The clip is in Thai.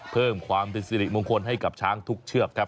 เพิ่มความเป็นสิริมงคลให้กับช้างทุกเชือกครับ